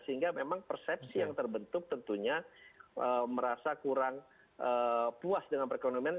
sehingga memang persepsi yang terbentuk tentunya merasa kurang puas dengan perekonomian